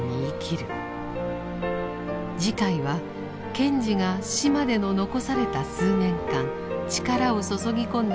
次回は賢治が死までの残された数年間力を注ぎ込んだ活動の軌跡を追います。